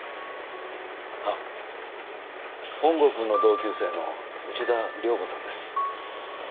あっ本郷くんの同級生の内田遼子さんです。